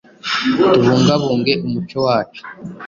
Tubungabunge umuco wacu